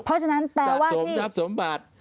เพราะฉะนั้นแปลว่าสมทรัพย์สมบัติ